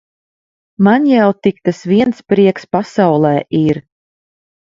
Man jau tik tas viens prieks pasaulē ir.